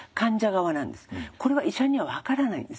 これは医者には分からないんですよ。